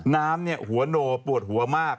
น้ำเนี่ยหัวโนปวดหัวมาก